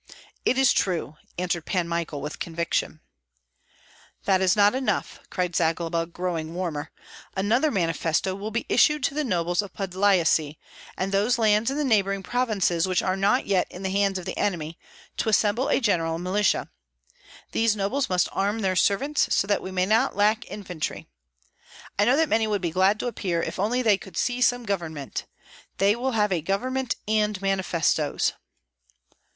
"It is true!" answered Pan Michael, with conviction. "That is not enough!" cried Zagloba, growing warmer, "another manifesto will be issued to the nobles of Podlyasye, and those lands in the neighboring provinces which are not yet in the hands of the enemy, to assemble a general militia. These nobles must arm their servants, so that we may not lack infantry. I know that many would be glad to appear, if only they could see some government. They will have a government and manifestoes."